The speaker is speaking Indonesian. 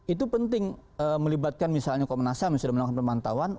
itu penting melibatkan misalnya komnas ham yang sudah melakukan pemantauan